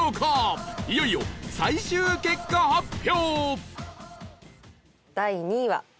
いよいよ最終結果発表！